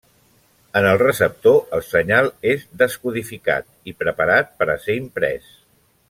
En el receptor el senyal és descodificat i preparat per a ser imprès.